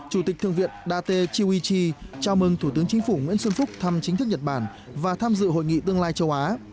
chủ tịch thượng viện date chiuichi chào mừng thủ tướng chính phủ nguyễn xuân phúc thăm chính thức nhật bản và tham dự hội nghị tương lai châu á